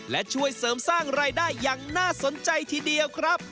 และช่วยเสริมสร้างรายได้อย่างน่าสนใจทีเดียวครับ